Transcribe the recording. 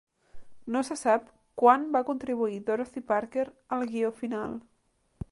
No se sap quan va contribuir Dorothy Parker al guió final.